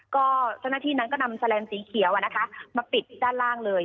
ก็เจ้าหน้าที่นั้นก็นำแลนสีเขียวมาปิดด้านล่างเลย